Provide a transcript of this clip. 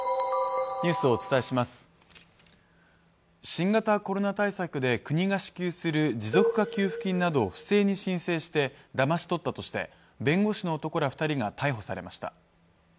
新型コロナ対策で国が支給する持続化給付金などを不正に申請してだまし取ったとして弁護士の男ら２人が逮捕されました。